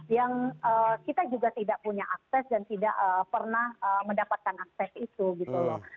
yang kita juga tidak punya akses dan tidak pernah mendapatkan akses itu gitu loh